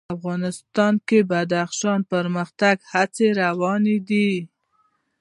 افغانستان کې د بدخشان د پرمختګ هڅې روانې دي.